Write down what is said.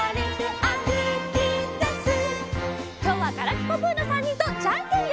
きょうは「ガラピコぷ」の３にんとじゃんけんよ！